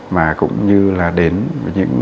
mà cũng như là đến